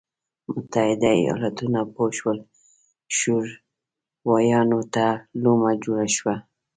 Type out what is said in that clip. متحده ایالتونه پوه شول شورویانو ته لومه جوړه شوه.